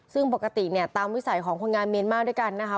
ซึ่งปกติเนี่ยตามวิสัยของคนงานเมียนมาร์ด้วยกันนะคะ